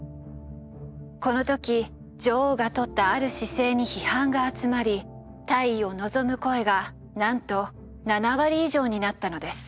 この時女王がとったある姿勢に批判が集まり退位を望む声がなんと７割以上になったのです。